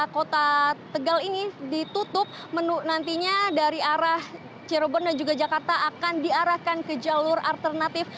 kota tegal ini ditutup nantinya dari arah cirebon dan juga jakarta akan diarahkan ke jalur alternatif